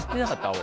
俺。